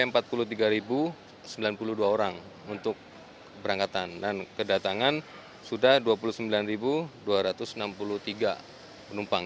jadi sudah dua puluh sembilan dua ratus sembilan puluh dua orang untuk berangkatan dan kedatangan sudah dua puluh sembilan dua ratus enam puluh tiga penumpang